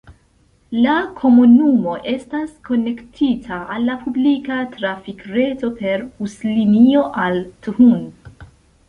La komunumo estas konektita al la publika trafikreto per buslinio al Thun.